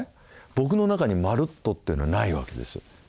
僕の中に「まるっと」というのはない訳ですよ。